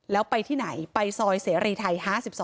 แล้วไปที่ไหนไปซอยเสรีไทย๕๒